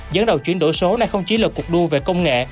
dẫn đầu chuyển đổi số này không chỉ là cuộc đua về công nghệ